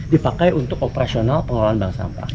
dipakai untuk operasional pengelolaan bank sampah